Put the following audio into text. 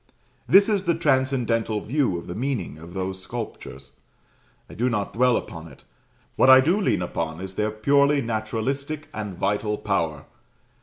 This is the transcendental view of the meaning of those sculptures. I do not dwell upon it. What I do lean upon is their purely naturalistic and vital power.